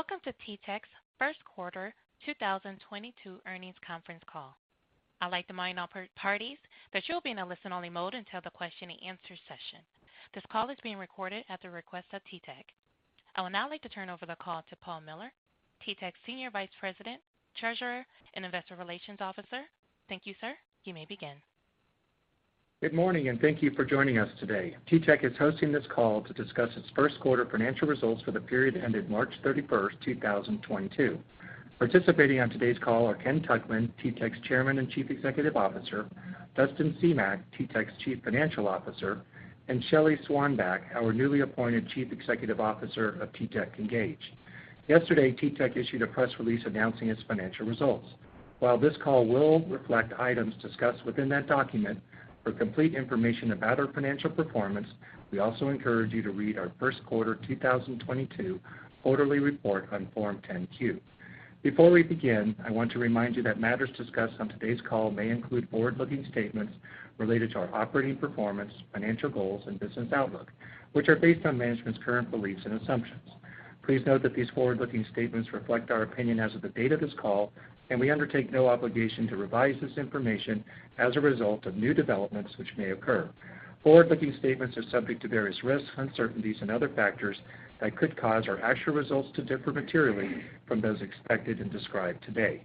Welcome to TTEC's First Quarter 2022 Earnings Conference Call. I'd like to remind all parties that you'll be in a listen-only mode until the question and answer session. This call is being recorded at the request of TTEC. I would now like to turn over the call to Paul Miller, TTEC Senior Vice President, Treasurer, and Investor Relations Officer. Thank you, sir. You may begin. Good morning, and thank you for joining us today. TTEC is hosting this call to discuss its first quarter financial results for the period ended March 31st, 2022. Participating on today's call are Ken Tuchman, TTEC's Chairman and Chief Executive Officer, Dustin Semach, TTEC's Chief Financial Officer, and Shelly Swanback, our newly appointed Chief Executive Officer of TTEC Engage. Yesterday, TTEC issued a press release announcing its financial results. While this call will reflect items discussed within that document, for complete information about our financial performance, we also encourage you to read our first quarter 2022 quarterly report on Form 10-Q. Before we begin, I want to remind you that matters discussed on today's call may include forward-looking statements related to our operating performance, financial goals, and business outlook, which are based on management's current beliefs and assumptions. Please note that these forward-looking statements reflect our opinion as of the date of this call, and we undertake no obligation to revise this information as a result of new developments which may occur. Forward-looking statements are subject to various risks, uncertainties, and other factors that could cause our actual results to differ materially from those expected and described today.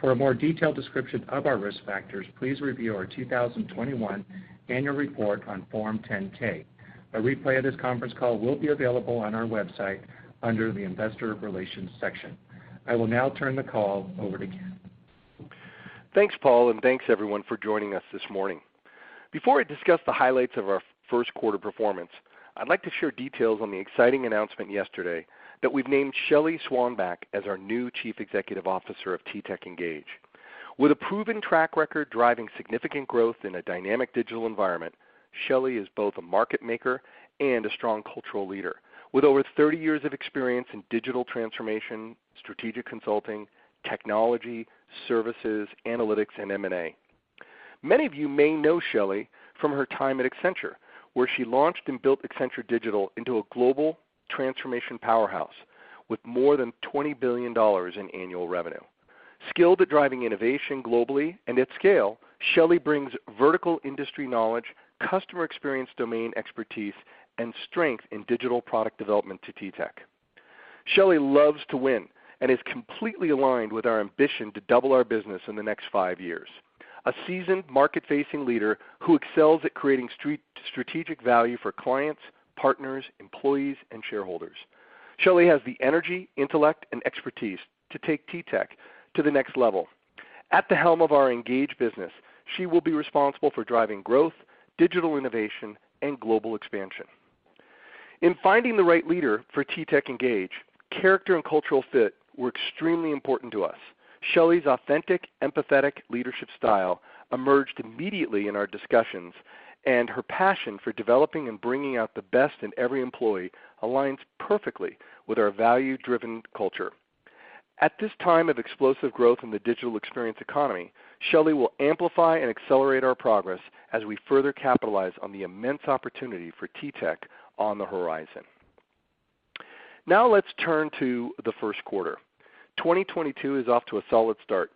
For a more detailed description of our risk factors, please review our 2021 annual report on Form 10-K. A replay of this conference call will be available on our website under the Investor Relations section. I will now turn the call over to Ken. Thanks Paul and thanks everyone for joining us this morning. Before I discuss the highlights of our first quarter performance, I'd like to share details on the exciting announcement yesterday that we've named Shelly Swanback as our new Chief Executive Officer of TTEC Engage. With a proven track record driving significant growth in a dynamic digital environment, Shelly is both a market maker and a strong cultural leader, with over 30 years of experience in digital transformation, strategic consulting, technology, services, analytics, and M&A. Many of you may know Shelly from her time at Accenture, where she launched and built Accenture Digital into a global transformation powerhouse with more than $20 billion in annual revenue. Skilled at driving innovation globally and at scale, Shelly brings vertical industry knowledge, customer experience, domain expertise, and strength in digital product development to TTEC. Shelly loves to win and is completely aligned with our ambition to double our business in the next five years. A seasoned market-facing leader who excels at creating strategic value for clients, partners, employees, and shareholders. Shelly has the energy, intellect, and expertise to take TTEC to the next level. At the helm of our Engage business, she will be responsible for driving growth, digital innovation, and global expansion. In finding the right leader for TTEC Engage, character and cultural fit were extremely important to us. Shelly's authentic, empathetic leadership style emerged immediately in our discussions, and her passion for developing and bringing out the best in every employee aligns perfectly with our value-driven culture. At this time of explosive growth in the digital experience economy, Shelly will amplify and accelerate our progress as we further capitalize on the immense opportunity for TTEC on the horizon. Now let's turn to the first quarter. 2022 is off to a solid start.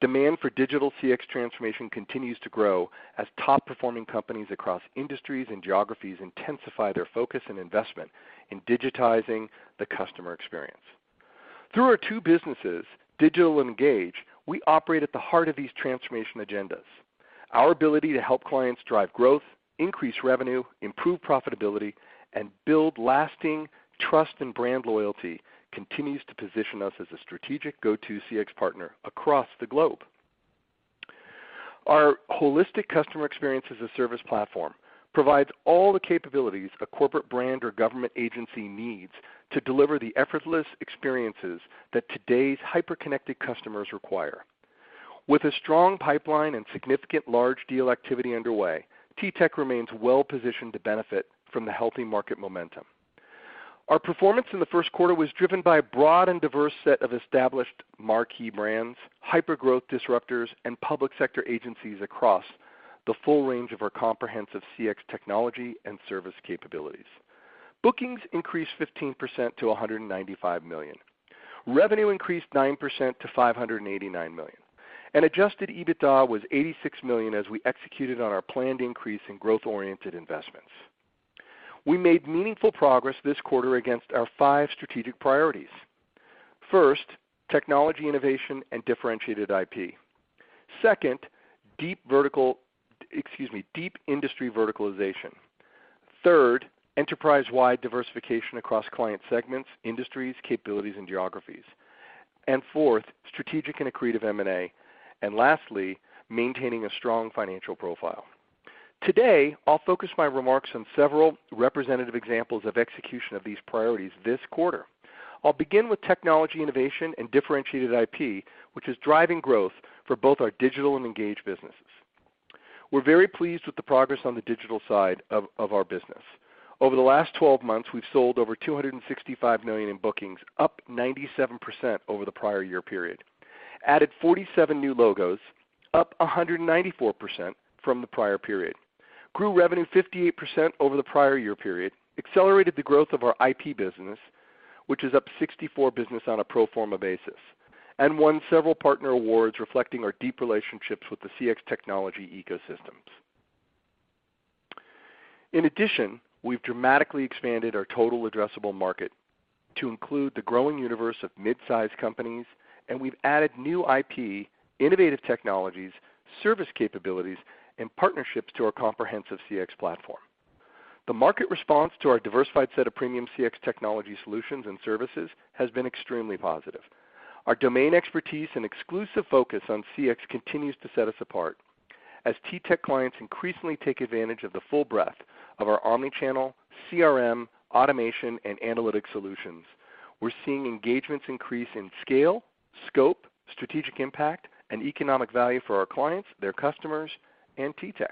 Demand for digital CX transformation continues to grow as top-performing companies across industries and geographies intensify their focus and investment in digitizing the customer experience. Through our two businesses, Digital and Engage, we operate at the heart of these transformation agendas. Our ability to help clients drive growth, increase revenue, improve profitability, and build lasting trust and brand loyalty continues to position us as a strategic go-to CX partner across the globe. Our holistic customer experience as a service platform provides all the capabilities a corporate brand or government agency needs to deliver the effortless experiences that today's hyper-connected customers require. With a strong pipeline and significant large deal activity underway, TTEC remains well-positioned to benefit from the healthy market momentum. Our performance in the first quarter was driven by a broad and diverse set of established marquee brands, hyper-growth disruptors, and public sector agencies across the full range of our comprehensive CX technology and service capabilities. Bookings increased 15% to $195 million. Revenue increased 9% to $589 million. Adjusted EBITDA was $86 million as we executed on our planned increase in growth-oriented investments. We made meaningful progress this quarter against our five strategic priorities. First, technology innovation and differentiated IP. Second, deep industry verticalization. Third, enterprise-wide diversification across client segments, industries, capabilities, and geographies. Fourth, strategic and accretive M&A. Lastly, maintaining a strong financial profile. Today, I'll focus my remarks on several representative examples of execution of these priorities this quarter. I'll begin with technology innovation and differentiated IP, which is driving growth for both our Digital and Engage businesses. We're very pleased with the progress on the Digital side of our business. Over the last 12 months, we've sold over $265 million in bookings, up 97% over the prior year period, added 47 new logos, up 194% from the prior period. Grew revenue 58% over the prior year period, accelerated the growth of our IP business, which is up 64% on a pro forma basis, and won several partner awards reflecting our deep relationships with the CX technology ecosystems. In addition, we've dramatically expanded our total addressable market to include the growing universe of mid-sized companies, and we've added new IP, innovative technologies, service capabilities, and partnerships to our comprehensive CX platform. The market response to our diversified set of premium CX technology solutions and services has been extremely positive. Our domain expertise and exclusive focus on CX continues to set us apart. As TTEC clients increasingly take advantage of the full breadth of our omni-channel CRM, automation, and analytic solutions, we're seeing engagements increase in scale, scope, strategic impact, and economic value for our clients, their customers, and TTEC.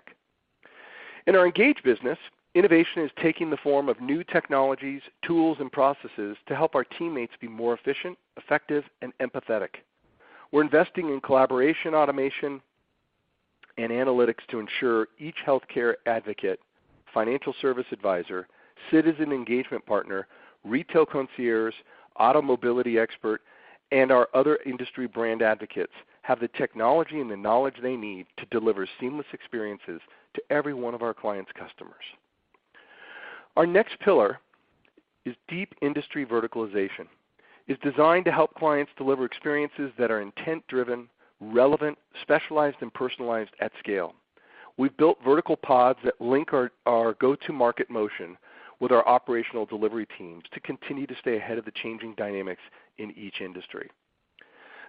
In our engaged business, innovation is taking the form of new technologies, tools, and processes to help our teammates be more efficient, effective, and empathetic. We're investing in collaboration, automation, and analytics to ensure each healthcare advocate, financial service advisor, citizen engagement partner, retail concierge, auto-mobility expert, and our other industry brand advocates have the technology and the knowledge they need to deliver seamless experiences to every one of our clients' customers. Our next pillar is deep industry verticalization. It's designed to help clients deliver experiences that are intent-driven, relevant, specialized, and personalized at scale. We've built vertical pods that link our go-to-market motion with our operational delivery teams to continue to stay ahead of the changing dynamics in each industry.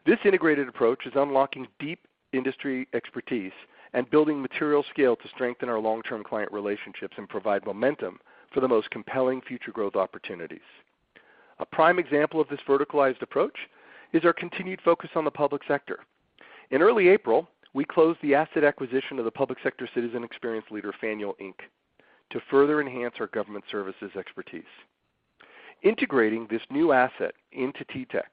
This integrated approach is unlocking deep industry expertise and building material scale to strengthen our long-term client relationships and provide momentum for the most compelling future growth opportunities. A prime example of this verticalized approach is our continued focus on the public sector. In early April, we closed the asset acquisition of the public sector citizen experience leader, Faneuil, Inc., to further enhance our government services expertise. Integrating this new asset into TTEC will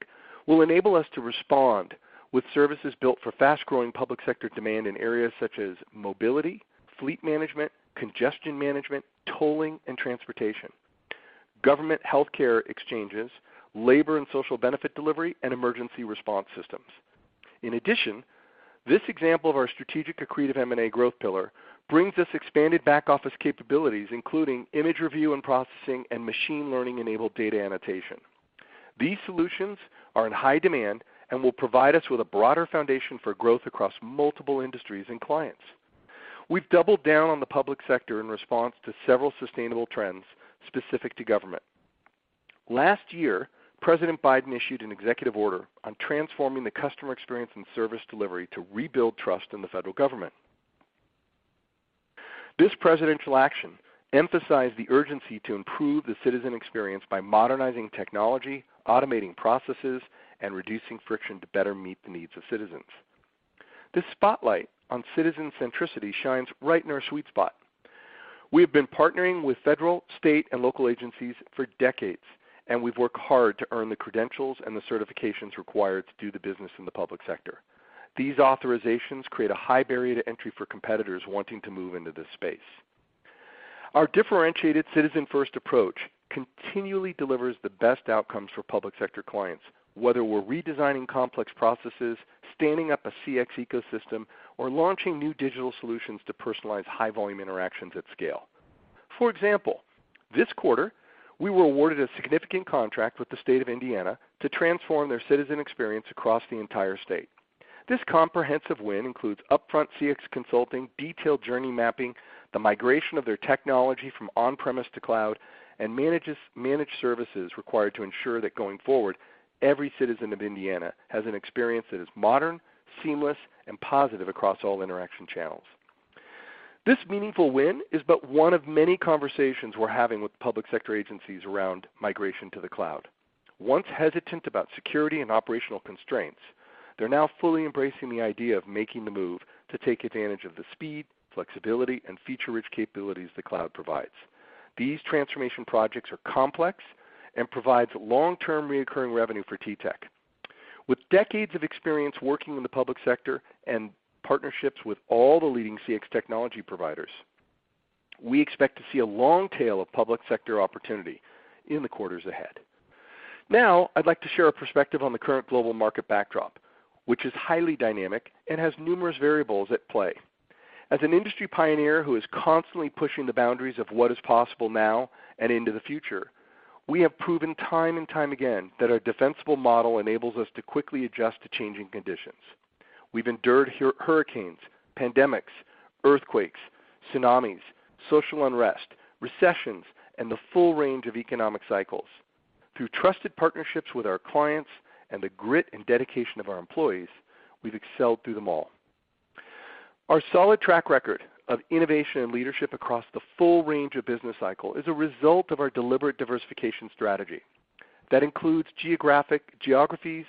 enable us to respond with services built for fast-growing public sector demand in areas such as mobility, fleet management, congestion management, tolling and transportation, government healthcare exchanges, labor and social benefit delivery, and emergency response systems. In addition, this example of our strategic accretive M&A growth pillar brings us expanded back-office capabilities, including image review and processing and machine learning-enabled data annotation. These solutions are in high demand and will provide us with a broader foundation for growth across multiple industries and clients. We've doubled down on the public sector in response to several sustainable trends specific to government. Last year, President Biden issued an executive order on transforming the customer experience and service delivery to rebuild trust in the federal government. This presidential action emphasized the urgency to improve the citizen experience by modernizing technology, automating processes, and reducing friction to better meet the needs of citizens. This spotlight on citizen centricity shines right in our sweet spot. We have been partnering with federal, state, and local agencies for decades, and we've worked hard to earn the credentials and the certifications required to do the business in the public sector. These authorizations create a high barrier to entry for competitors wanting to move into this space. Our differentiated citizen-first approach continually delivers the best outcomes for public sector clients, whether we're redesigning complex processes, standing up a CX ecosystem, or launching new digital solutions to personalize high-volume interactions at scale. For example, this quarter, we were awarded a significant contract with the state of Indiana to transform their citizen experience across the entire state. This comprehensive win includes upfront CX consulting, detailed journey mapping, the migration of their technology from on-premise to cloud, and managed services required to ensure that going forward, every citizen of Indiana has an experience that is modern, seamless, and positive across all interaction channels. This meaningful win is but one of many conversations we're having with public sector agencies around migration to the cloud. Once hesitant about security and operational constraints, they're now fully embracing the idea of making the move to take advantage of the speed, flexibility, and feature-rich capabilities the cloud provides. These transformation projects are complex and provides long-term recurring revenue for TTEC. With decades of experience working in the public sector and partnerships with all the leading CX technology providers, we expect to see a long tail of public sector opportunity in the quarters ahead. Now, I'd like to share a perspective on the current global market backdrop, which is highly dynamic and has numerous variables at play. As an industry pioneer who is constantly pushing the boundaries of what is possible now and into the future, we have proven time and time again that our defensible model enables us to quickly adjust to changing conditions. We've endured hurricanes, pandemics, earthquakes, tsunamis, social unrest, recessions, and the full range of economic cycles. Through trusted partnerships with our clients and the grit and dedication of our employees, we've excelled through them all. Our solid track record of innovation and leadership across the full range of business cycle is a result of our deliberate diversification strategy. That includes geographies,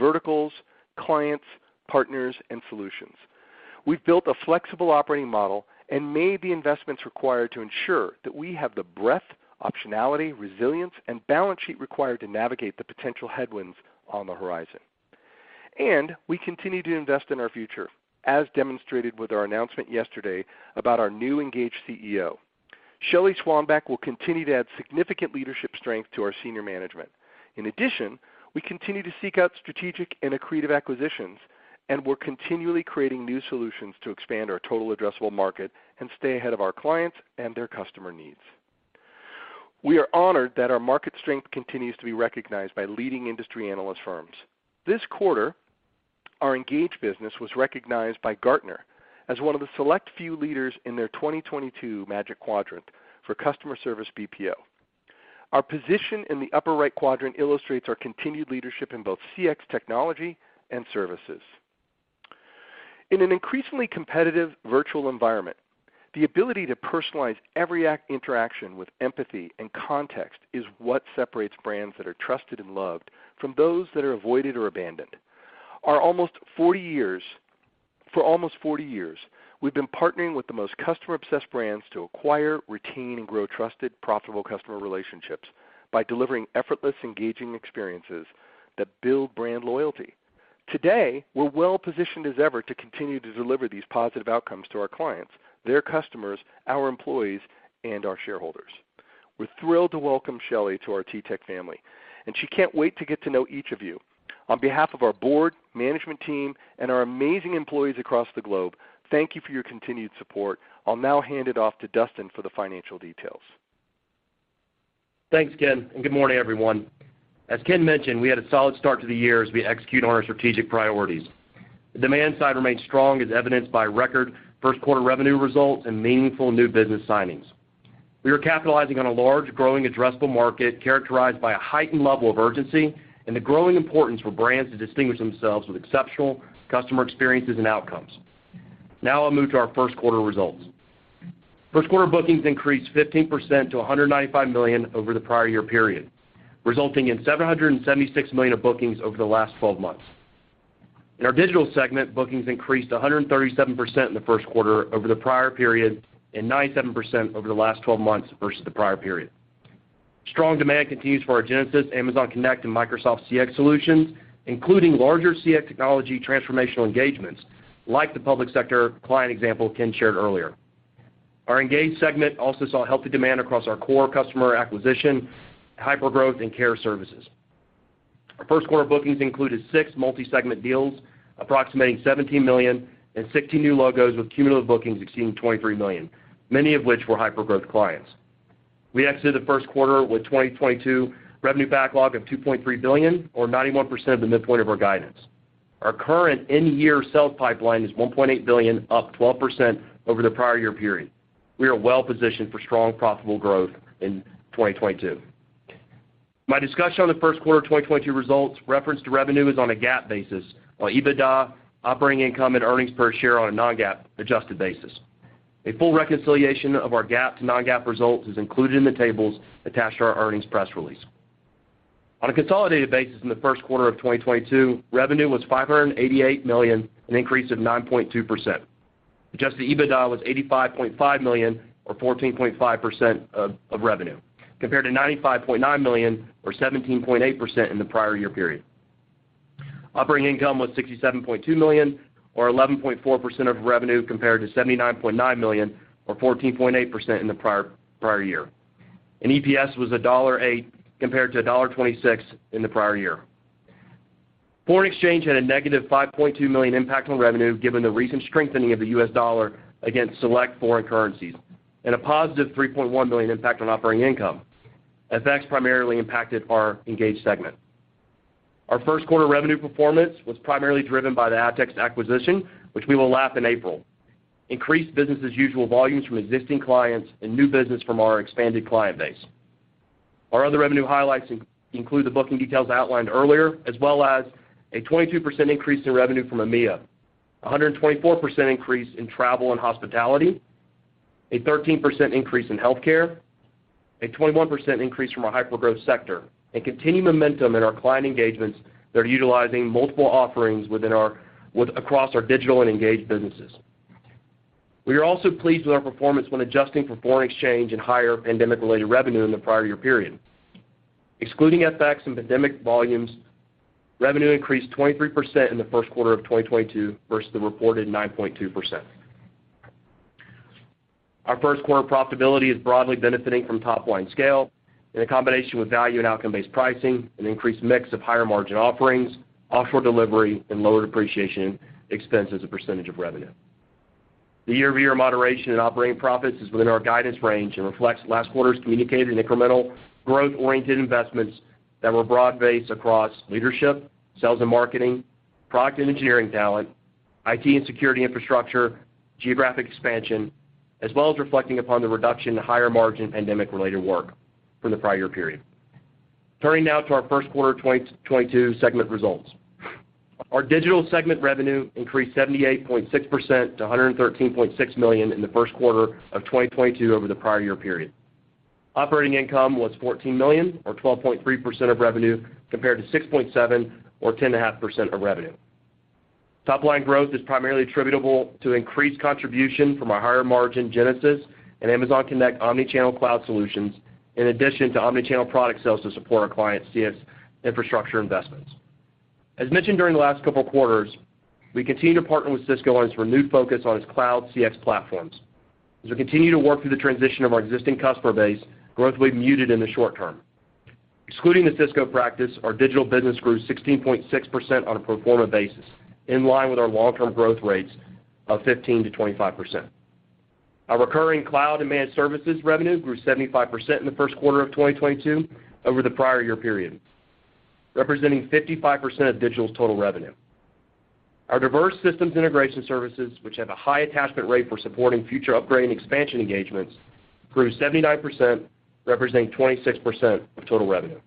verticals, clients, partners, and solutions. We've built a flexible operating model and made the investments required to ensure that we have the breadth, optionality, resilience, and balance sheet required to navigate the potential headwinds on the horizon. We continue to invest in our future, as demonstrated with our announcement yesterday about our new Engage CEO. Shelly Swanback will continue to add significant leadership strength to our senior management. In addition, we continue to seek out strategic and accretive acquisitions, and we're continually creating new solutions to expand our total addressable market and stay ahead of our clients and their customer needs. We are honored that our market strength continues to be recognized by leading industry analyst firms. This quarter, our Engage business was recognized by Gartner as one of the select few leaders in their 2022 Magic Quadrant for customer service BPO. Our position in the upper right quadrant illustrates our continued leadership in both CX technology and services. In an increasingly competitive virtual environment, the ability to personalize every act interaction with empathy and context is what separates brands that are trusted and loved from those that are avoided or abandoned. For almost 40 years, we've been partnering with the most customer-obsessed brands to acquire, retain, and grow trusted, profitable customer relationships by delivering effortless, engaging experiences that build brand loyalty. Today, we're well-positioned as ever to continue to deliver these positive outcomes to our clients, their customers, our employees, and our shareholders. We're thrilled to welcome Shelly to our TTEC family, and she can't wait to get to know each of you. On behalf of our board, management team, and our amazing employees across the globe, thank you for your continued support. I'll now hand it off to Dustin for the financial details. Thanks Ken and good morning everyone. As Ken mentioned, we had a solid start to the year as we execute on our strategic priorities. The demand side remains strong as evidenced by record first quarter revenue results and meaningful new business signings. We are capitalizing on a large growing addressable market characterized by a heightened level of urgency and the growing importance for brands to distinguish themselves with exceptional customer experiences and outcomes. Now I'll move to our first quarter results. First quarter bookings increased 15% to $195 million over the prior year period, resulting in $776 million of bookings over the last twelve months. In our digital segment, bookings increased 137% in the first quarter over the prior period and 97% over the last twelve months versus the prior period. Strong demand continues for our Genesys, Amazon Connect, and Microsoft CX solutions, including larger CX technology transformational engagements like the public sector client example Ken shared earlier. Our Engage segment also saw healthy demand across our core customer acquisition, hypergrowth, and care services. Our first quarter bookings included six multi-segment deals approximating $17 million and 60 new logos with cumulative bookings exceeding $23 million, many of which were hypergrowth clients. We exited the first quarter with 2022 revenue backlog of $2.3 billion or 91% of the midpoint of our guidance. Our current in-year sales pipeline is $1.8 billion, up 12% over the prior year period. We are well positioned for strong profitable growth in 2022. My discussion on the first quarter of 2022 results reference to revenue is on a GAAP basis, while EBITDA, operating income, and earnings per share on a non-GAAP adjusted basis. A full reconciliation of our GAAP to non-GAAP results is included in the tables attached to our earnings press release. On a consolidated basis in the first quarter of 2022, revenue was $588 million, an increase of 9.2%. Adjusted EBITDA was $85.5 million or 14.5% of revenue, compared to $95.9 million or 17.8% in the prior year period. Operating income was $67.2 million or 11.4% of revenue compared to $79.9 million or 14.8% in the prior year. EPS was $1.08 compared to $1.26 in the prior year. Foreign exchange had a negative $5.2 million impact on revenue given the recent strengthening of the US dollar against select foreign currencies and a positive $3.1 million impact on operating income. FX primarily impacted our Engage segment. Our first quarter revenue performance was primarily driven by the Avtex acquisition, which we will lap in April, increased business as usual volumes from existing clients and new business from our expanded client base. Our other revenue highlights include the booking details outlined earlier, as well as a 22% increase in revenue from EMEA, a 124% increase in travel and hospitality, a 13% increase in healthcare, a 21% increase from our hypergrowth sector, and continued momentum in our client engagements that are utilizing multiple offerings across our digital and engaged businesses. We are also pleased with our performance when adjusting for foreign exchange and higher pandemic-related revenue in the prior year period. Excluding FX and pandemic volumes, revenue increased 23% in the first quarter of 2022 versus the reported 9.2%. Our first quarter profitability is broadly benefiting from top-line scale in combination with value and outcome-based pricing, an increased mix of higher margin offerings, offshore delivery, and lower depreciation expense as a percentage of revenue. The year-over-year moderation in operating profits is within our guidance range and reflects last quarter's communicated incremental growth-oriented investments that were broad-based across leadership, sales and marketing, product and engineering talent, IT and security infrastructure, geographic expansion, as well as reflecting upon the reduction in higher margin pandemic-related work from the prior period. Turning now to our first quarter 2022 segment results. Our digital segment revenue increased 78.6% to $113.6 million in the first quarter of 2022 over the prior year period. Operating income was $14 million or 12.3% of revenue compared to $6.7 million or 10.5% of revenue. Top line growth is primarily attributable to increased contribution from our higher margin Genesys and Amazon Connect omni-channel cloud solutions, in addition to omni-channel product sales to support our client CX infrastructure investments. As mentioned during the last couple of quarters, we continue to partner with Cisco on its renewed focus on its cloud CX platforms. As we continue to work through the transition of our existing customer base, growth will be muted in the short term. Excluding the Cisco practice, our digital business grew 16.6% on a pro forma basis, in line with our long-term growth rates of 15%-25%. Our recurring cloud and managed services revenue grew 75% in the first quarter of 2022 over the prior year period, representing 55% of digital's total revenue. Our diverse systems integration services, which have a high attachment rate for supporting future upgrade and expansion engagements, grew 79%, representing 26% of total revenue.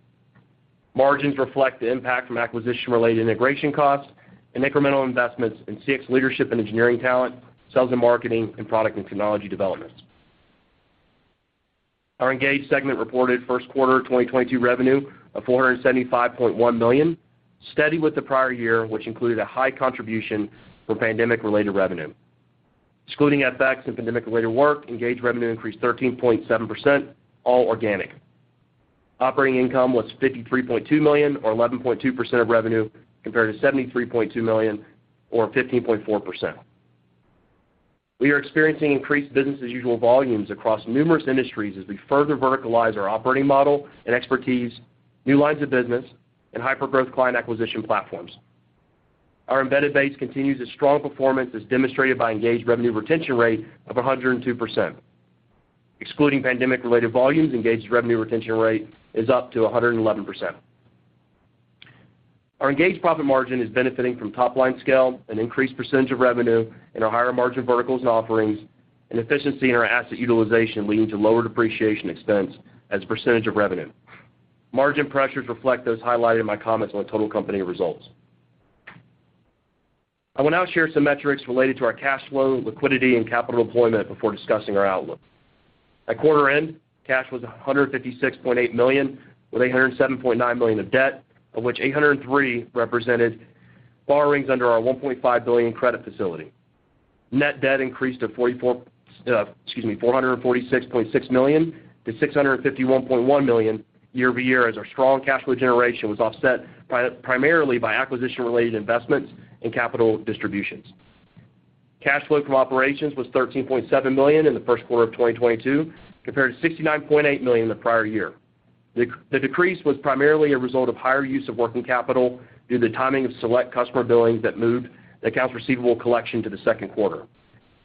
Margins reflect the impact from acquisition-related integration costs and incremental investments in CX leadership and engineering talent, sales and marketing, and product and technology development. Our Engage segment reported first quarter 2022 revenue of $475.1 million, steady with the prior year, which included a high contribution from pandemic-related revenue. Excluding FX and pandemic-related work, Engage revenue increased 13.7%, all organic. Operating income was $53.2 million or 11.2% of revenue compared to $73.2 million or 15.4%. We are experiencing increased business as usual volumes across numerous industries as we further verticalize our operating model and expertise, new lines of business, and hyper-growth client acquisition platforms. Our embedded base continues its strong performance as demonstrated by Engage revenue retention rate of 102%. Excluding pandemic-related volumes, Engage revenue retention rate is up to 111%. Our Engage profit margin is benefiting from top-line scale, an increased percentage of revenue in our higher margin verticals and offerings, and efficiency in our asset utilization leading to lower depreciation expense as a percentage of revenue. Margin pressures reflect those highlighted in my comments on total company results. I will now share some metrics related to our cash flow, liquidity, and capital deployment before discussing our outlook. At quarter end, cash was $156.8 million, with $807.9 million of debt, of which $803 million represented borrowings under our $1.5 billion credit facility. Net debt increased to $446.6 million-$651.1 million year-over-year as our strong cash flow generation was offset primarily by acquisition-related investments and capital distributions. Cash flow from operations was $13.7 million in the first quarter of 2022, compared to $69.8 million the prior year. The decrease was primarily a result of higher use of working capital due to the timing of select customer billings that moved the accounts receivable collection to the second quarter.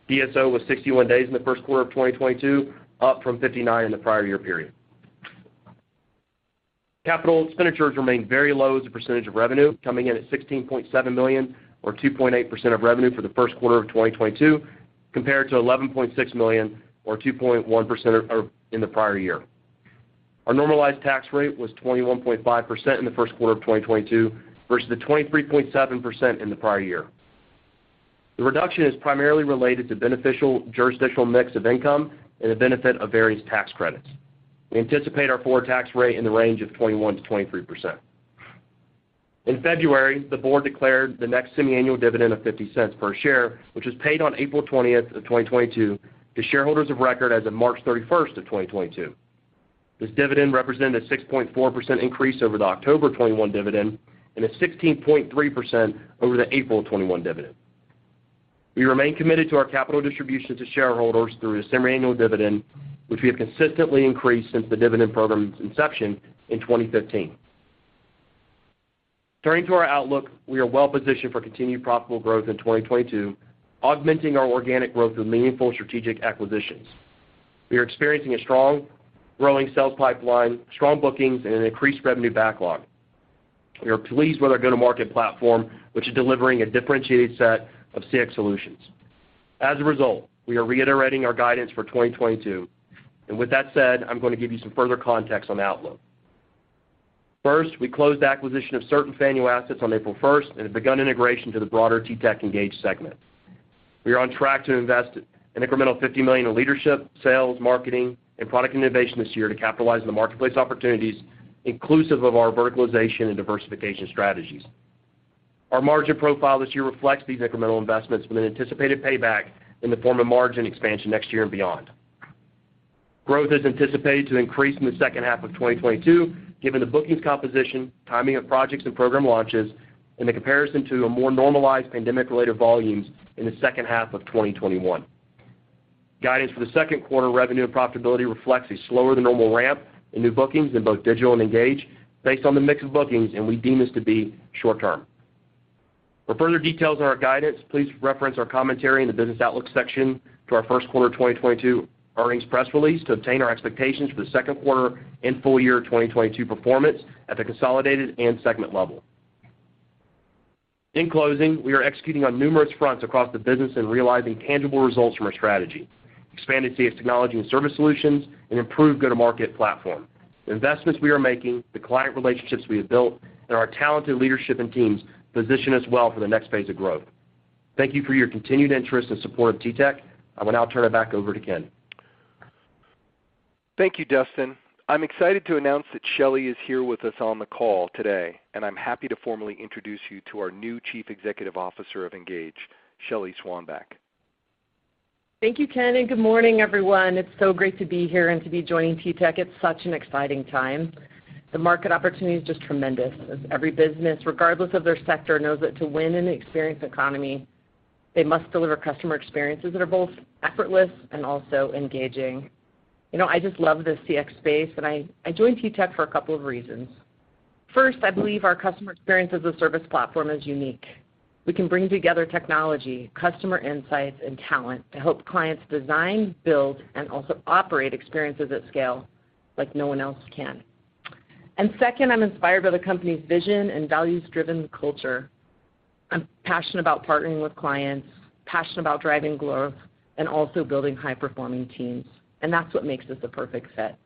DSO was 61 days in the first quarter of 2022, up from 59 in the prior year period. Capital expenditures remained very low as a percentage of revenue, coming in at $16.7 million or 2.8% of revenue for the first quarter of 2022, compared to $11.6 million or 2.1% in the prior year. Our normalized tax rate was 21.5% in the first quarter of 2022 versus the 23.7% in the prior year. The reduction is primarily related to beneficial jurisdictional mix of income and the benefit of various tax credits. We anticipate our full-year tax rate in the range of 21%-23%. In February, the board declared the next semiannual dividend of $0.50 per share, which was paid on April 20th, 2022 to shareholders of record as of March 31st, 2022. This dividend represented a 6.4% increase over the October 2021 dividend and a 16.3% over the April 2021 dividend. We remain committed to our capital distribution to shareholders through a semiannual dividend, which we have consistently increased since the dividend program's inception in 2015. Turning to our outlook, we are well positioned for continued profitable growth in 2022, augmenting our organic growth with meaningful strategic acquisitions. We are experiencing a strong growing sales pipeline, strong bookings, and an increased revenue backlog. We are pleased with our go-to-market platform, which is delivering a differentiated set of CX solutions. As a result, we are reiterating our guidance for 2022. With that said, I'm going to give you some further context on the outlook. First, we closed the acquisition of certain Faneuil assets on April 1st and have begun integration to the broader TTEC Engage segment. We are on track to invest an incremental $50 million in leadership, sales, marketing, and product innovation this year to capitalize on the marketplace opportunities inclusive of our verticalization and diversification strategies. Our margin profile this year reflects these incremental investments with an anticipated payback in the form of margin expansion next year and beyond. Growth is anticipated to increase in the H2 of 2022 given the bookings composition, timing of projects and program launches, and the comparison to a more normalized pandemic-related volumes in the H2 of 2021. Guidance for the second quarter revenue and profitability reflects a slower than normal ramp in new bookings in both Digital and Engage based on the mix of bookings, and we deem this to be short term. For further details on our guidance, please reference our commentary in the Business Outlook section to our first quarter 2022 earnings press release to obtain our expectations for the second quarter and full year 2022 performance at the consolidated and segment level. In closing, we are executing on numerous fronts across the business and realizing tangible results from our strategy, expanded CX technology and service solutions, and improved go-to-market platform. The investments we are making, the client relationships we have built, and our talented leadership and teams position us well for the next phase of growth. Thank you for your continued interest and support of TTEC. I will now turn it back over to Ken. Thank you, Dustin. I'm excited to announce that Shelly is here with us on the call today, and I'm happy to formally introduce you to our new Chief Executive Officer of Engage, Shelly Swanback. Thank you Ken and good morning everyone. It's so great to be here and to be joining TTEC. It's such an exciting time. The market opportunity is just tremendous as every business, regardless of their sector, knows that to win in the experience economy, they must deliver customer experiences that are both effortless and also engaging. You know, I just love the CX space, and I joined TTEC for a couple of reasons. First, I believe our customer experience as a service platform is unique. We can bring together technology, customer insights, and talent to help clients design, build, and also operate experiences at scale like no one else can. Second, I'm inspired by the company's vision and values-driven culture. I'm passionate about partnering with clients, passionate about driving growth and also building high-performing teams, and that's what makes this a perfect fit.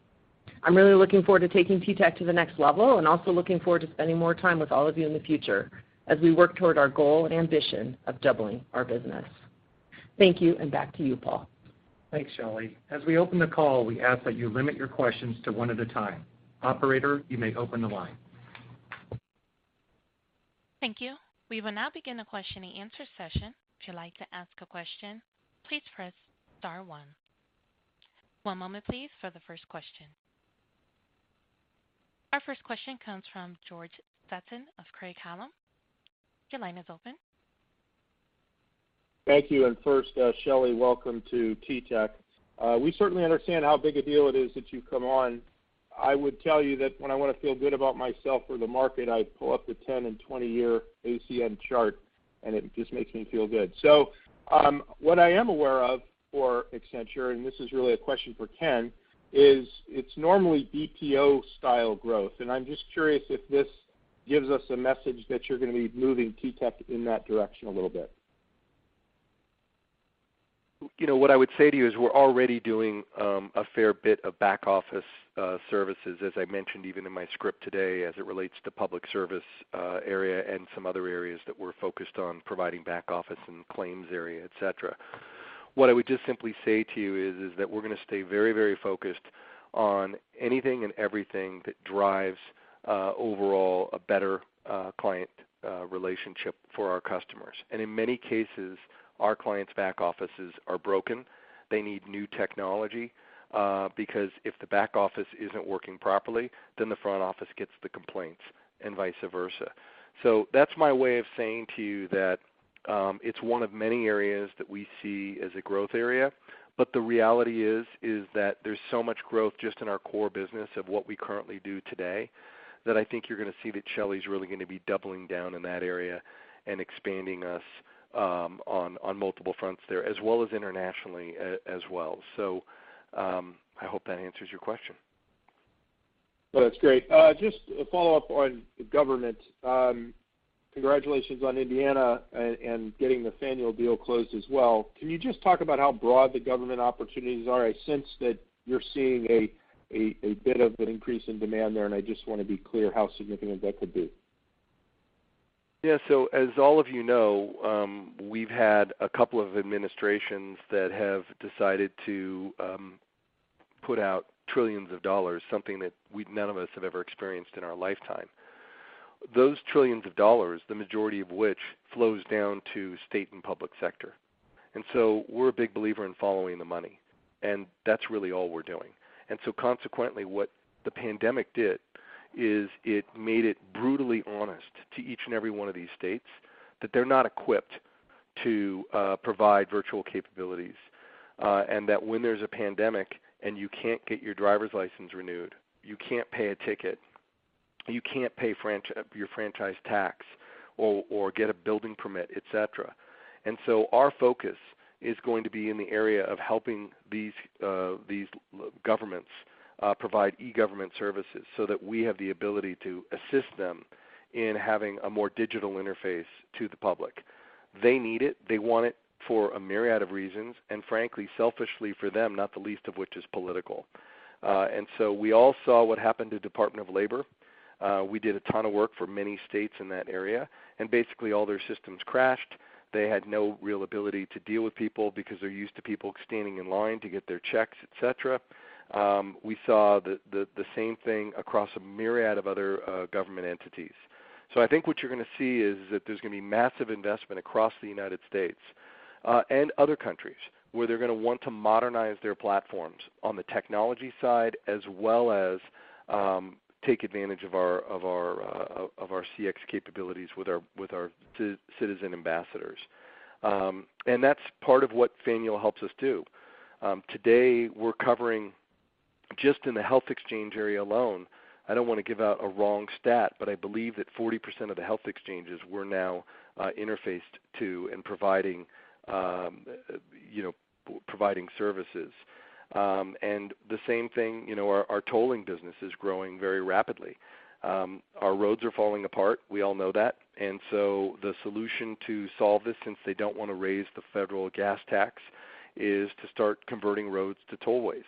I'm really looking forward to taking TTEC to the next level and also looking forward to spending more time with all of you in the future as we work toward our goal and ambition of doubling our business. Thank you and back to you Paul. Thanks, Shelly. As we open the call, we ask that you limit your questions to one at a time. Operator, you may open the line. Thank you. We will now begin the question and answer session. If you'd like to ask a question, please press star one. One moment please for the first question. Our first question comes from George Sutton of Craig-Hallum. Your line is open. Thank you. First, Shelly, welcome to TTEC. We certainly understand how big a deal it is that you've come on. I would tell you that when I wanna feel good about myself or the market, I pull up the 10- and 20-year ACN chart, and it just makes me feel good. What I am aware of for Accenture, and this is really a question for Ken, is it's normally BPO-style growth, and I'm just curious if this gives us a message that you're gonna be moving TTEC in that direction a little bit. You know, what I would say to you is we're already doing a fair bit of back office services, as I mentioned even in my script today as it relates to public service area and some other areas that we're focused on providing back office and claims area, et cetera. What I would just simply say to you is that we're gonna stay very, very focused on anything and everything that drives overall a better client relationship for our customers. In many cases, our clients' back offices are broken. They need new technology because if the back office isn't working properly, then the front office gets the complaints and vice versa. That's my way of saying to you that it's one of many areas that we see as a growth area. The reality is that there's so much growth just in our core business of what we currently do today, that I think you're gonna see that Shelly's really gonna be doubling down in that area and expanding us on multiple fronts there, as well as internationally as well. I hope that answers your question. Well, that's great. Just a follow-up on the government. Congratulations on Indiana and getting the Faneuil deal closed as well. Can you just talk about how broad the government opportunities are? I sense that you're seeing a bit of an increase in demand there, and I just wanna be clear how significant that could be. As all of you know, we've had a couple of administrations that have decided to put out trillions of dollars, something that none of us have ever experienced in our lifetime. Those trillions of dollars, the majority of which flows down to state and public sector. We're a big believer in following the money, and that's really all we're doing. Consequently, what the pandemic did is it made it brutally honest to each and every one of these states that they're not equipped to provide virtual capabilities, and that when there's a pandemic and you can't get your driver's license renewed, you can't pay a ticket, you can't pay your franchise tax or get a building permit, et cetera. Our focus is going to be in the area of helping these governments provide e-government services so that we have the ability to assist them in having a more digital interface to the public. They need it. They want it for a myriad of reasons, and frankly, selfishly for them, not the least of which is political. We all saw what happened to Department of Labor. We did a ton of work for many states in that area, and basically, all their systems crashed. They had no real ability to deal with people because they're used to people standing in line to get their checks, et cetera. We saw the same thing across a myriad of other government entities. I think what you're gonna see is that there's gonna be massive investment across the United States and other countries, where they're gonna want to modernize their platforms on the technology side, as well as take advantage of our CX capabilities with our citizen ambassadors. That's part of what Faneuil helps us do. Today we're covering just in the health exchange area alone, I don't wanna give out a wrong stat, but I believe that 40% of the health exchanges we're now interfaced to and providing services. The same thing, you know, our tolling business is growing very rapidly. Our roads are falling apart. We all know that. The solution to solve this, since they don't wanna raise the federal gas tax, is to start converting roads to tollways.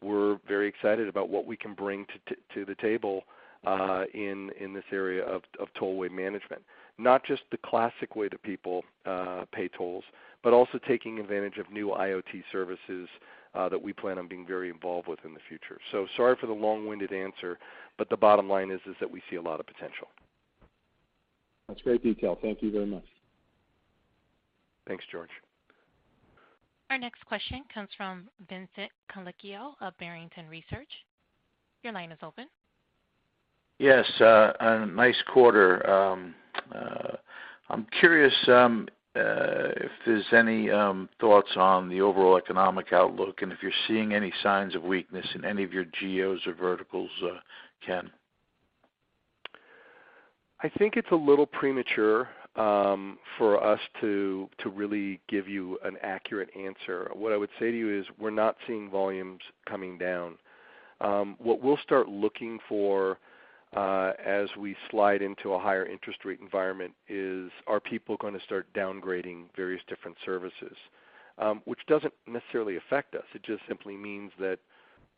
We're very excited about what we can bring to the table in this area of tollway management. Not just the classic way that people pay tolls, but also taking advantage of new IoT services that we plan on being very involved with in the future. Sorry for the long-winded answer, but the bottom line is that we see a lot of potential. That's great detail. Thank you very much. Thanks, George. Our next question comes from Vincent Colicchio of Barrington Research. Your line is open. Yes, a nice quarter. I'm curious if there's any thoughts on the overall economic outlook and if you're seeing any signs of weakness in any of your geos or verticals, Ken. I think it's a little premature for us to really give you an accurate answer. What I would say to you is we're not seeing volumes coming down. What we'll start looking for as we slide into a higher interest rate environment is, are people gonna start downgrading various different services? Which doesn't necessarily affect us. It just simply means that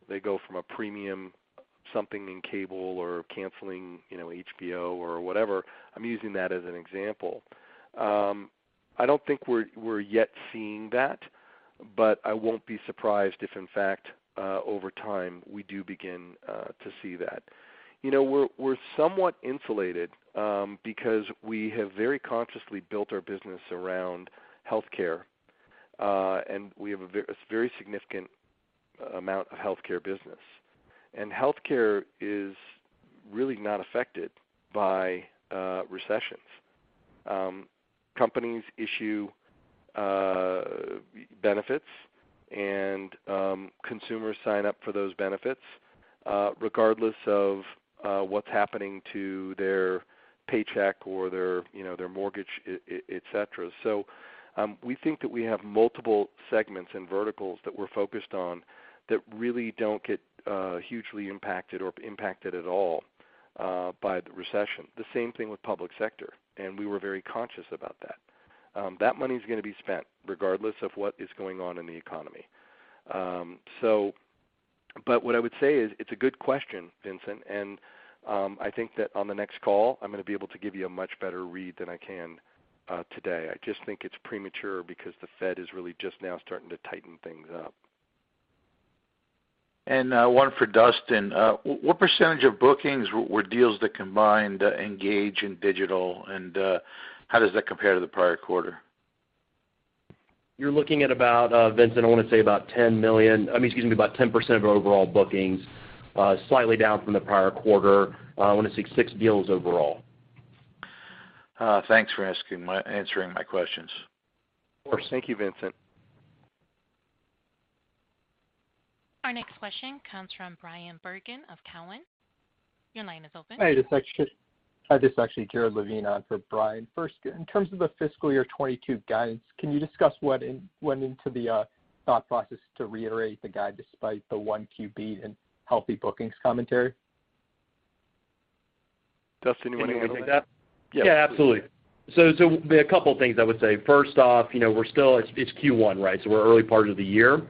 they go from a premium something in cable or canceling, you know, HBO or whatever. I'm using that as an example. I don't think we're yet seeing that, but I won't be surprised if in fact over time, we do begin to see that. You know, we're somewhat insulated because we have very consciously built our business around healthcare. We have a very significant amount of healthcare business. Healthcare is really not affected by recessions. Companies issue benefits and consumers sign up for those benefits regardless of what's happening to their paycheck or their, you know, their mortgage, etcetera. We think that we have multiple segments and verticals that we're focused on that really don't get hugely impacted or impacted at all by the recession. The same thing with public sector, and we were very conscious about that. That money's gonna be spent regardless of what is going on in the economy. What I would say is it's a good question, Vincent, and I think that on the next call, I'm gonna be able to give you a much better read than I can today. I just think it's premature because the Fed is really just now starting to tighten things up. One for Dustin. What percentage of bookings were deals that combined Engage and digital, and how does that compare to the prior quarter? You're looking at about, Vincent, I wanna say about 10% of our overall bookings, slightly down from the prior quarter, I wanna say six deals overall. Thanks for answering my questions. Of course. Thank you, Vincent. Our next question comes from Bryan Bergin of Cowen. Your line is open. Hi, this is actually Jared Levine on for Brian. First, in terms of the fiscal year 2022 guidance, can you discuss what went into the thought process to reiterate the guide despite the 1Q beat and healthy bookings commentary? Dustin, you wanna take that? Yeah, absolutely. There are a couple of things I would say. First off, you know, It's Q1, right? We're early part of the year.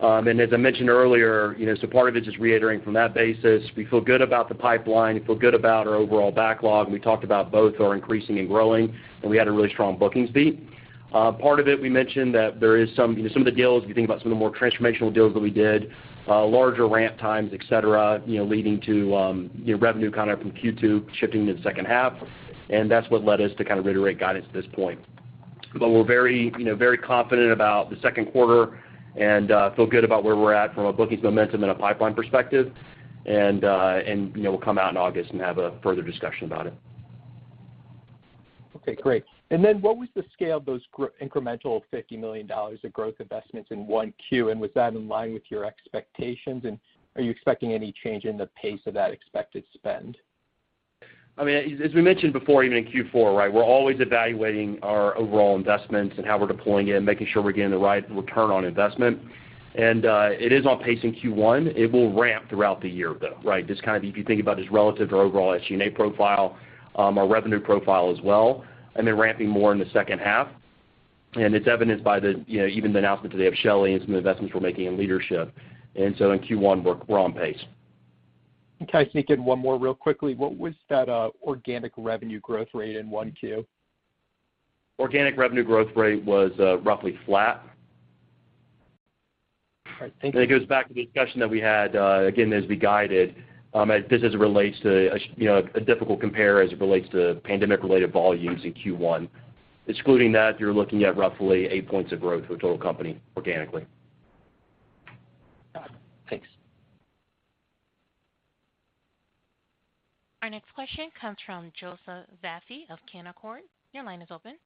As I mentioned earlier, you know, part of it is reiterating from that basis. We feel good about the pipeline. We feel good about our overall backlog. We talked about both are increasing and growing, and we had a really strong bookings beat. Part of it, we mentioned that there is some, you know, some of the deals, if you think about some of the more transformational deals that we did, larger ramp times, et cetera, you know, leading to, you know, revenue coming up from Q2, shifting to the H2, and that's what led us to kind of reiterate guidance at this point. We're very, you know, very confident about the second quarter and feel good about where we're at from a bookings momentum and a pipeline perspective. You know, we'll come out in August and have a further discussion about it. Okay, great. What was the scale of those incremental $50 million of growth investments in 1Q? And was that in line with your expectations? And are you expecting any change in the pace of that expected spend? I mean, as we mentioned before, even in Q4, right, we're always evaluating our overall investments and how we're deploying it and making sure we're getting the right return on investment. It is on pace in Q1. It will ramp throughout the year, though, right? Just kind of if you think about just relative to our overall SG&A profile, our revenue profile as well, and then ramping more in the second half. It's evidenced by the, you know, even the announcement today of Shelly and some investments we're making in leadership. In Q1, we're on pace. Can I sneak in one more real quickly? What was that, organic revenue growth rate in 1Q? Organic revenue growth rate was roughly flat. All right. Thank you. It goes back to the discussion that we had, again, as we guided, this as it relates to, you know, a difficult compare as it relates to pandemic-related volumes in Q1. Excluding that, you're looking at roughly eight points of growth for the total company organically. Got it. Thanks. Our next question comes from Joseph Vafi of Canaccord. Your line is open.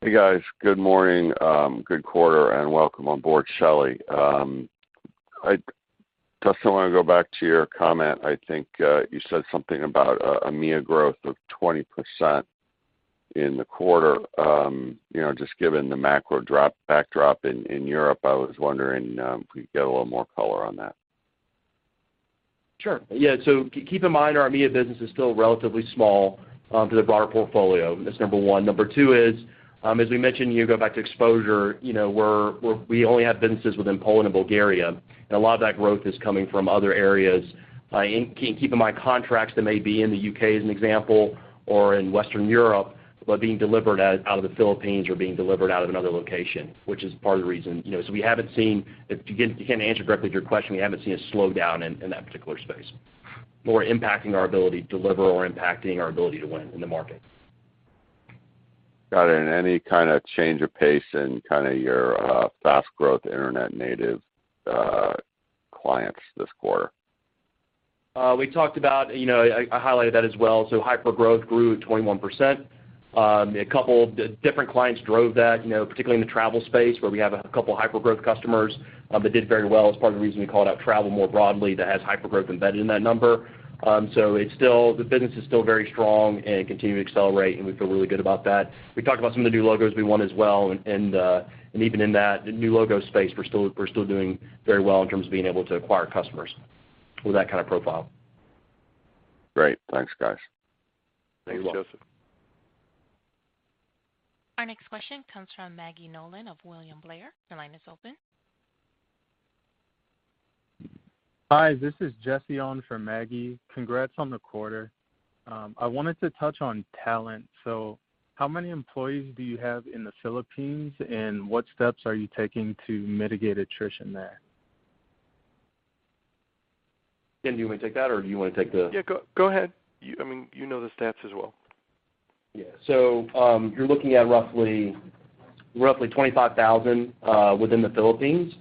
Hey, guys. Good morning. Good quarter, and welcome on board, Shelly. Dustin, I wanna go back to your comment. I think, you said something about, EMEA growth of 20% in the quarter. You know, just given the macro backdrop in Europe, I was wondering, if we could get a little more color on that. Sure. Yeah, keep in mind, our EMEA business is still relatively small to the broader portfolio. That's number one. Number two is, as we mentioned, you go back to exposure, you know, we only have businesses within Poland and Bulgaria, and a lot of that growth is coming from other areas. Keep in mind contracts that may be in the U.K., as an example, or in Western Europe, but being delivered out of the Philippines or being delivered out of another location, which is part of the reason, you know. To, again, to kind of answer directly to your question, we haven't seen a slowdown in that particular space or impacting our ability to deliver or impacting our ability to win in the market. Got it. Any kind of change of pace in kinda your fast growth internet native clients this quarter? We talked about, you know, I highlighted that as well. Hypergrowth grew 21%. A couple different clients drove that, you know, particularly in the travel space, where we have a couple hypergrowth customers that did very well. It's part of the reason we called out travel more broadly that has hypergrowth embedded in that number. The business is still very strong and continuing to accelerate, and we feel really good about that. We talked about some of the new logos we won as well, and even in that, the new logo space, we're still doing very well in terms of being able to acquire customers with that kind of profile. Great. Thanks, guys. You're welcome. Thanks, Joseph. Our next question comes from Maggie Nolan of William Blair. Your line is open. Hi, this is Jesse on for Maggie. Congrats on the quarter. I wanted to touch on talent. How many employees do you have in the Philippines, and what steps are you taking to mitigate attrition there? Ken, do you want me to take that, or do you wanna take the. Yeah, go ahead. I mean, you know the stats as well. Yeah. You're looking at roughly 25,000 within the Philippines.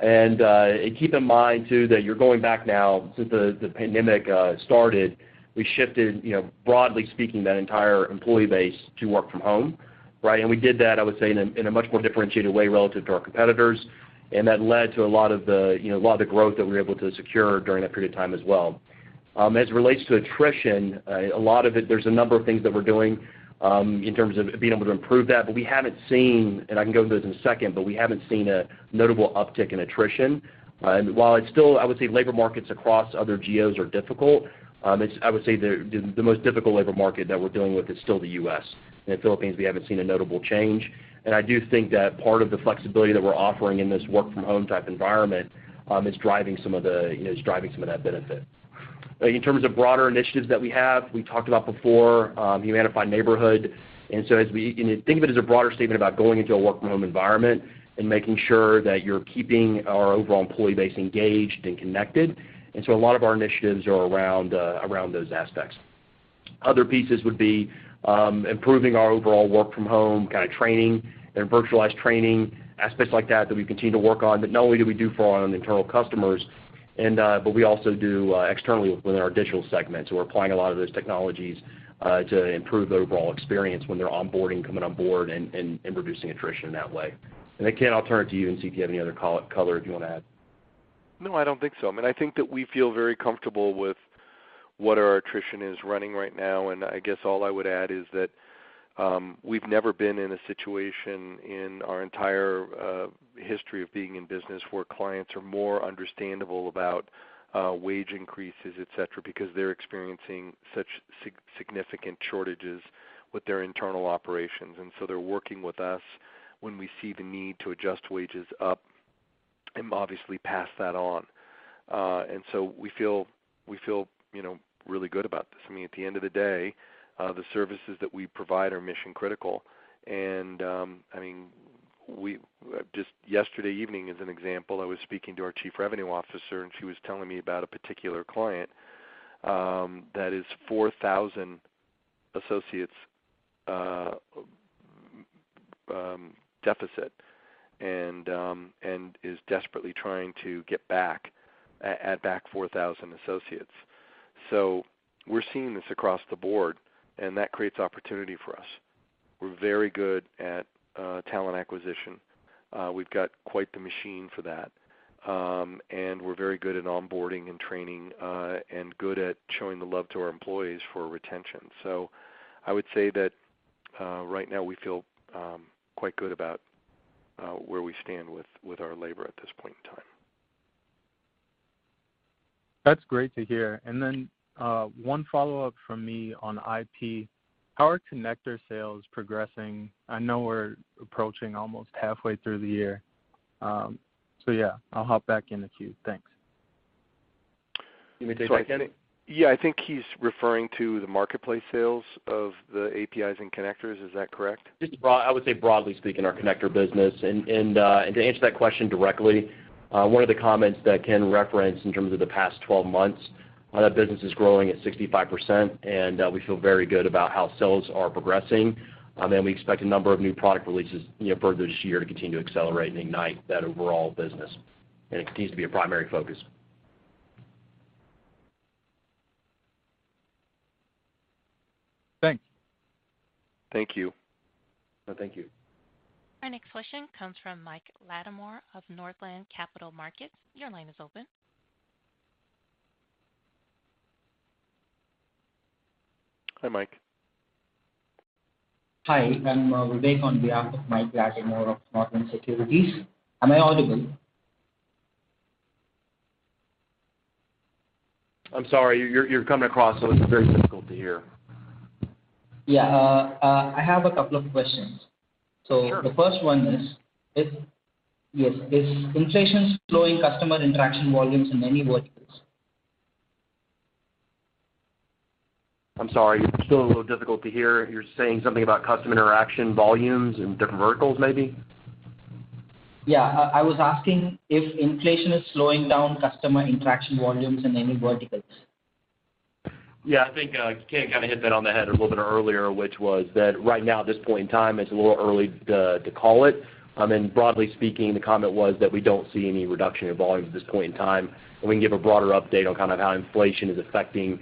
Keep in mind too that you're going back now since the pandemic started. We shifted, you know, broadly speaking, that entire employee base to work from home, right? We did that, I would say, in a much more differentiated way relative to our competitors, and that led to a lot of the, you know, a lot of the growth that we were able to secure during that period of time as well. As it relates to attrition, a lot of it, there's a number of things that we're doing in terms of being able to improve that, I can go into those in a second, but we haven't seen a notable uptick in attrition. While it's still, I would say, labor markets across other geos are difficult, it's the most difficult labor market that we're dealing with is still the U.S. In the Philippines, we haven't seen a notable change, and I do think that part of the flexibility that we're offering in this work from home type environment is driving some of, you know, that benefit. In terms of broader initiatives that we have we talked about before, Humanify Neighborhood. Think of it as a broader statement about going into a work from home environment and making sure that you're keeping our overall employee base engaged and connected. A lot of our initiatives are around those aspects. Other pieces would be improving our overall work from home kinda training and virtualized training, aspects like that we continue to work on, but not only do we do for our own internal customers and but we also do externally within our digital segments. We're applying a lot of those technologies to improve the overall experience when they're onboarding, coming on board and reducing attrition in that way. Then, Ken, I'll turn it to you and see if you have any other color you wanna add. No, I don't think so. I mean, I think that we feel very comfortable with what our attrition is running right now. I guess all I would add is that we've never been in a situation in our entire history of being in business where clients are more understanding about wage increases, et cetera, because they're experiencing such significant shortages with their internal operations. They're working with us when we see the need to adjust wages up and obviously pass that on. We feel, you know, really good about this. I mean, at the end of the day, the services that we provide are mission critical. Just yesterday evening, as an example, I was speaking to our chief revenue officer, and she was telling me about a particular client that is 4,000 associates deficit and is desperately trying to get back, add back 4,000 associates. We're seeing this across the board, and that creates opportunity for us. We're very good at talent acquisition. We've got quite the machine for that. We're very good at onboarding and training and good at showing the love to our employees for retention. I would say that right now we feel quite good about where we stand with our labor at this point in time. That's great to hear. One follow-up from me on IP. How are connector sales progressing? I know we're approaching almost halfway through the year. Yeah, I'll hop back in the queue. Thanks. You want me to take that, Ken? Yeah, I think he's referring to the marketplace sales of the APIs and connectors. Is that correct? I would say broadly speaking, our connector business. To answer that question directly, one of the comments that Ken referenced in terms of the past 12 months, that business is growing at 65%, and we feel very good about how sales are progressing. We expect a number of new product releases, you know, further this year to continue to accelerate and ignite that overall business. It continues to be a primary focus. Thanks. Thank you. No, thank you. Our next question comes from Mike Latimore of Northland Capital Markets. Your line is open. Hi, Mike. Hi, I'm Vivek on behalf of Mike Latimore of Northland Securities. Am I audible? I'm sorry, you're coming across a little. It's very difficult to hear. Yeah. I have a couple of questions. Sure. The first one is inflation slowing customer interaction volumes in any verticals? I'm sorry, you're still a little difficult to hear. You're saying something about customer interaction volumes in different verticals, maybe? Yeah. I was asking if inflation is slowing down customer interaction volumes in any verticals. Yeah, I think, Ken kinda hit the nail on the head a little bit earlier, which was that right now at this point in time, it's a little early to call it. Broadly speaking, the comment was that we don't see any reduction in volumes at this point in time. We can give a broader update on kind of how inflation is affecting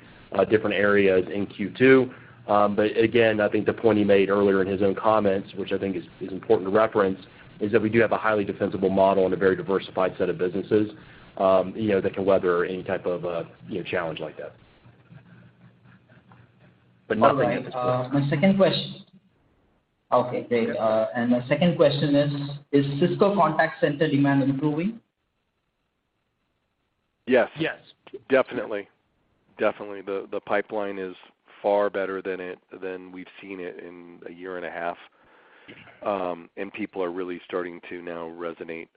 different areas in Q2. Again, I think the point he made earlier in his own comments, which I think is important to reference, is that we do have a highly defensible model and a very diversified set of businesses, you know, that can weather any type of, you know, challenge like that. Nothing at this point. All right. Okay, great. My second question is Cisco contact center demand improving? Yes. Yes. Definitely. The pipeline is far better than we've seen it in a year and a half. People are really starting to now resonate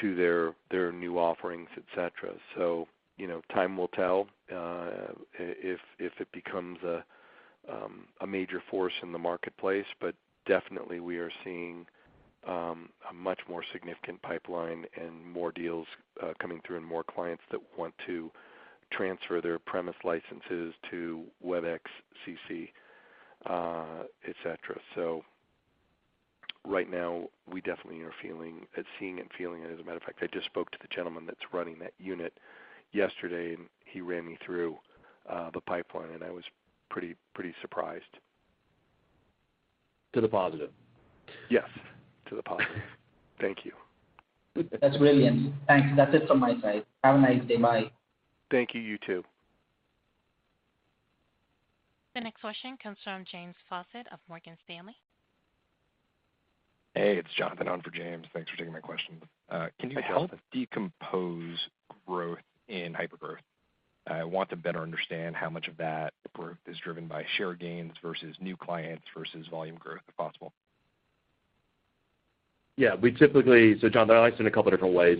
to their new offerings, et cetera. You know, time will tell if it becomes a major force in the marketplace. Definitely we are seeing a much more significant pipeline and more deals coming through and more clients that want to transfer their premise licenses to Webex CC, et cetera. Right now we definitely are seeing and feeling it. As a matter of fact, I just spoke to the gentleman that's running that unit yesterday, and he ran me through the pipeline, and I was pretty surprised. To the positive? Yes, to the positive. Thank you. That's brilliant. Thanks. That's it from my side. Have a nice day. Bye. Thank you. You too. The next question comes from James Faucette of Morgan Stanley. Hey, it's Jonathan on for James. Thanks for taking my question. Hi, Jonathan. Can you help decompose growth in Hypergrowth? I want to better understand how much of that growth is driven by share gains versus new clients versus volume growth, if possible. Yeah. John, I'll answer in a couple different ways.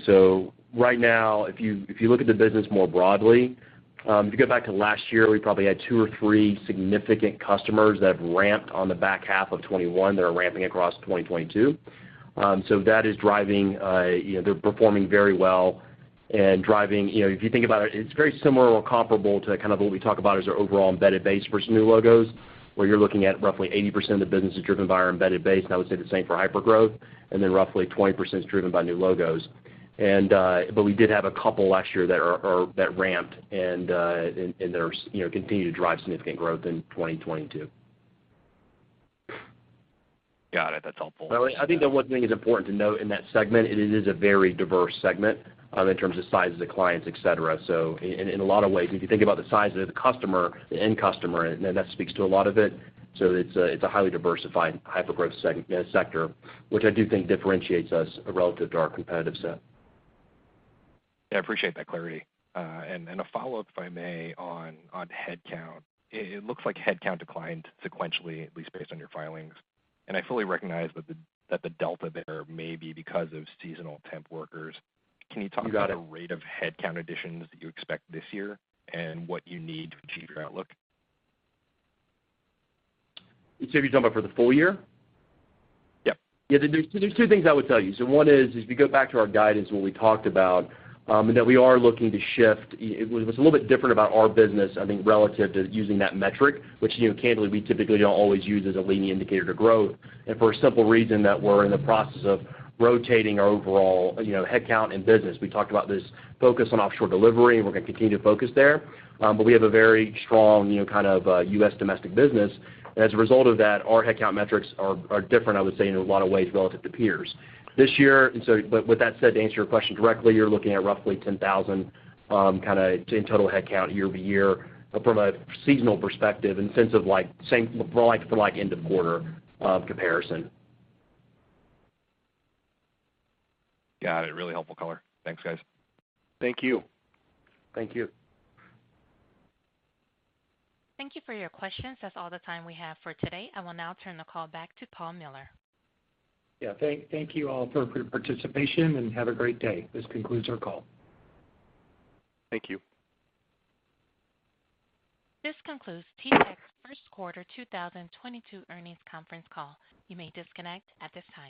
Right now, if you look at the business more broadly, if you go back to last year, we probably had two or three significant customers that ramped on the back half of 2021 that are ramping across 2022. That is driving, you know, they're performing very well and driving. You know, if you think about it's very similar or comparable to kind of what we talk about as our overall embedded base versus new logos, where you're looking at roughly 80% of the business is driven by our embedded base, and I would say the same for Hypergrowth, and then roughly 20% is driven by new logos. But we did have a couple last year that are That ramped and they're, you know, continue to drive significant growth in 2022. Got it. That's helpful. Well, I think the one thing that's important to note in that segment, it is a very diverse segment, in terms of sizes of clients, et cetera. In a lot of ways, if you think about the size of the customer, the end customer, and that speaks to a lot of it. It's a highly diversified hypergrowth sector, which I do think differentiates us relative to our competitive set. Yeah, I appreciate that clarity. A follow-up, if I may, on headcount. It looks like headcount declined sequentially, at least based on your filings. I fully recognize that the delta there may be because of seasonal temp workers. You got it. Can you talk about the rate of headcount additions that you expect this year and what you need to achieve your outlook? You're talking about for the full year? Yeah. Yeah. There's two things I would tell you. One is, if you go back to our guidance, what we talked about, and that we are looking to shift. It was a little bit different about our business, I think, relative to using that metric, which, you know, candidly, we typically don't always use as a leading indicator to growth. For a simple reason, that we're in the process of rotating our overall, you know, headcount and business. We talked about this focus on offshore delivery, and we're gonna continue to focus there. We have a very strong, you know, kind of, U.S. domestic business. As a result of that, our headcount metrics are different, I would say, in a lot of ways relative to peers. This year, and so. with that said, to answer your question directly, you're looking at roughly 10,000, kinda in total headcount year over year from a seasonal perspective and sense of like for like end of quarter comparison. Got it. Really helpful color. Thanks, guys. Thank you. Thank you. Thank you for your questions. That's all the time we have for today. I will now turn the call back to Paul Miller. Yeah. Thank you all for your participation, and have a great day. This concludes our call. Thank you. This concludes TTEC first quarter 2022 earnings conference call. You may disconnect at this time.